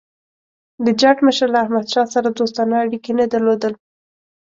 د جاټ مشر له احمدشاه سره دوستانه اړیکي نه درلودل.